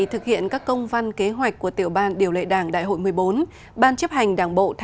thực hiện các công văn kế hoạch của tiểu ban điều lệ đảng đại hội một mươi bốn ban chấp hành đảng bộ